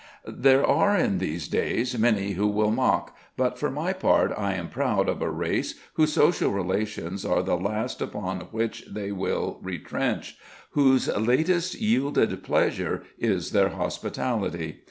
There are in these days many who will mock; but for my part I am proud of a race whose social relations are the last upon which they will retrench, whose latest yielded pleasure is their hospitality.